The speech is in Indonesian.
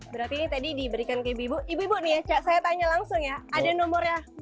berarti ini tadi diberikan ke ibu ibu nih ya cak saya tanya langsung ya ada nomornya